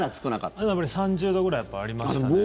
でも３０度ぐらいありましたね。